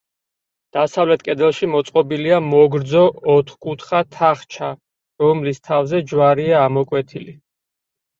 დასავლეთ კედელში მოწყობილია მოგრძო, ოთხკუთხა თახჩა, რომლის თავზე ჯვარია ამოკვეთილი.